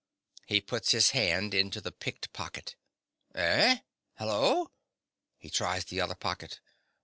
(He put his hand into the picked pocket.) Eh? Hallo! (_He tries the other pocket.